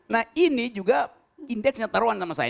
nah ini juga indeksnya taruhan sama saya